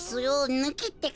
ぬきってか。